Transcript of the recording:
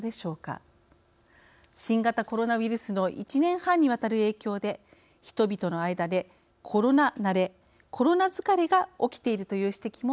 新型コロナウイルスの１年半にわたる影響で人々の間でコロナ慣れコロナ疲れが起きているという指摘もあります。